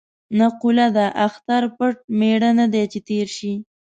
نقوله ده: اختر پټ مېړه نه دی چې تېر شي.